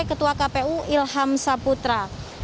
keputusan kpu ilham saputra